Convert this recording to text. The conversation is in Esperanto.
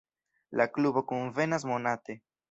La klubo kunvenas monate.